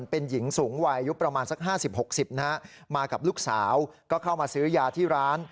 เป็นหญิงสูงวัยอายุประมาณสัก๕๐๖๐นะฮะมากับลูกสาวก็เข้ามาซื้อยาที่ร้าน